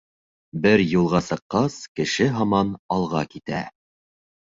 Бер юлға сыҡҡас, кеше һаман алға китә.